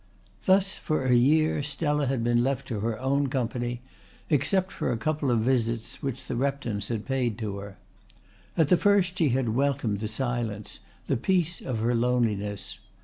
Thus for a year Stella had been left to her own company except for a couple of visits which the Reptons had paid to her. At the first she had welcomed the silence, the peace of her loneliness.